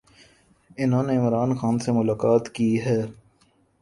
انھوں نے عمران خان سے ملاقات کی ہے۔